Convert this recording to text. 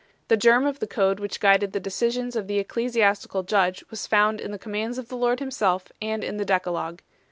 The germ of the code which guided the decisions of the ecclesiastical judge was found in the com mands of the Lord Himself and in the Decalogue.